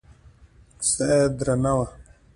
ساه يې درنه وه.